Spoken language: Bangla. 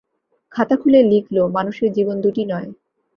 খাতা খুলে লিখল, মানুষের জীবন দুটি নয়।